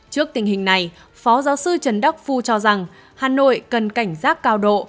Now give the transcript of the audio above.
trước tình hình này phó giáo sư trần đắc phu cho rằng hà nội cần cảnh giác cao độ